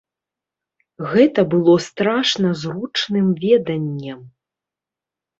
Гэта было страшна зручным веданнем.